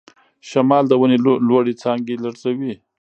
شمال د ونې لوړې څانګې لړزوي.